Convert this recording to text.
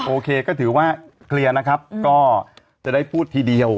โอเคก็ถือว่าเคลียร์นะครับก็จะได้พูดทีเดียว